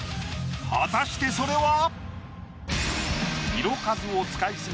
果たしてそれは？